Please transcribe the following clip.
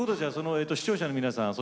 視聴者の皆さん